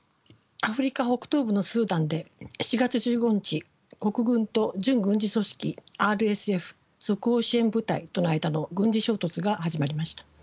アフリカ北東部のスーダンで４月１５日国軍と準軍事組織ＲＳＦ即応支援部隊との間の軍事衝突が始まりました。